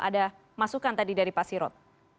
ada masukan tadi dari pak sirot